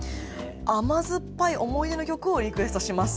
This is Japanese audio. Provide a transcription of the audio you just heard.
甘酸っぱい思い出の曲をリクエストします。